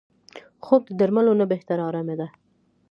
خوب د درملو نه بهتره آرامي ده